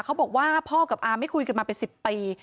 เขาบอกว่าพ่อกับอาไม่คุยกันมาเป็น๑๐ปี